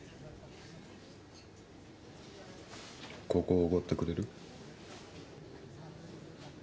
ここおごってくれる？